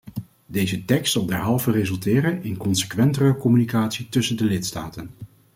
Deze tekst zal derhalve resulteren in consequentere communicatie tussen de lidstaten.